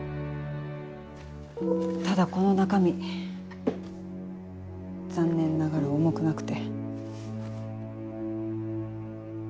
ただこの中身残念ながら重くなくて。